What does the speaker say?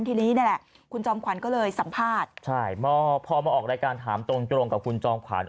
ทีนี้นี่แหละคุณจอมขวัญก็เลยสัมภาษณ์ใช่พอมาออกรายการถามตรงตรงกับคุณจอมขวัญ